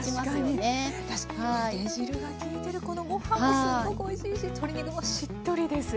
ゆで汁が効いてるこのご飯もすっごくおいしいし鶏肉もしっとりです。